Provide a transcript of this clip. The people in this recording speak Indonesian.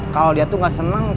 kalau dia tuh gak senang